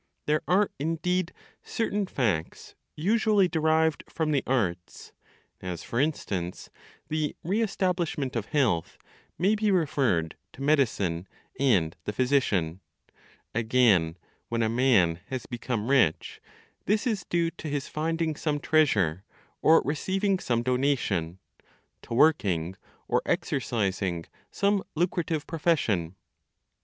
There are, indeed, certain facts usually derived from the arts; as for instance the re establishment of health may be referred to medicine and the physician. Again, when a man has become rich, this is due to his finding some treasure, or receiving some donation, to working, or exercising some lucrative profession.